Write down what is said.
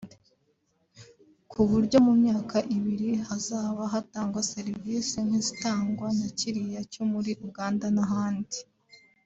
ku buryo mu myaka ibiri hazaba hatangwa serivisi nk’izitangwa na kiriya cyo muri Uganda n’ahandi